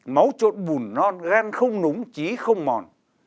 máu trộn bùn non gan không núng trí không mòn